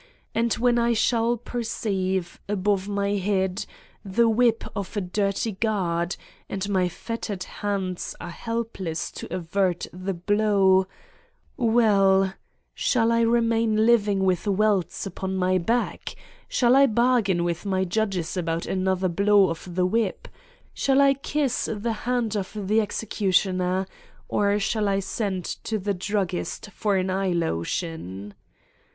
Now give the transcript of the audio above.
And when I shall perceive, above my head, the whip of a dirty guard and my fet tered hands are helpless to avert the blow ... well: shall I remain living with welts upon my back? Shall I bargain with my judges about an other blow of the whip ? Shall I kiss the hand of the executioner? Or shall I send to the druggist for an eye lotion?